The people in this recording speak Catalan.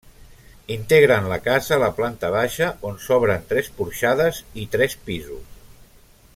Integren la casa la planta baixa, on s'obren tres porxades, i tres pisos.